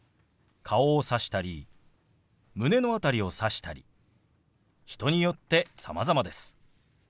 顔をさしたり胸の辺りをさしたり人によってさまざまです。